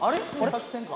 作戦か？